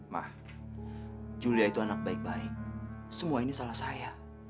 mah julia itu anak baik baik semua ini salah saya